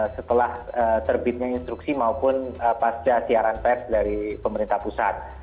setelah terbitnya instruksi maupun pasca siaran pers dari pemerintah pusat